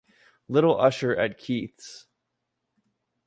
Little usher at Keith's.